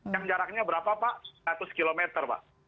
yang jaraknya berapa pak seratus km pak